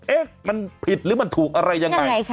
ว่ามันผิดหรือถูกอะไรอย่างไร